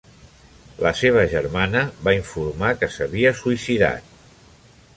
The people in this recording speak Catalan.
La seva germana va informar que s'havia suïcidat.